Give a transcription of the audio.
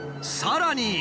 さらに。